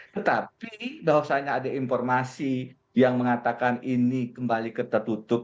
tetapi bahwasanya ada informasi yang mengatakan ini kembali tertutup